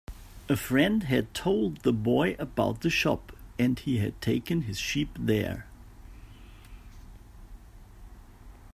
A friend had told the boy about the shop, and he had taken his sheep there.